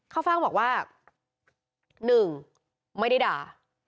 ฟ่างบอกว่า๑ไม่ได้ด่า